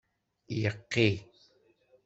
Iqi.